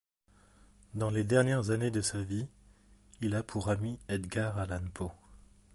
Dans les dernières années de sa vie, il a pour ami Edgar Allan Poe.